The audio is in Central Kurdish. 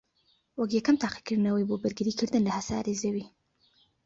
وەک یەکەم تاقیکردنەوەی بۆ بەرگریکردن لە هەسارەی زەوی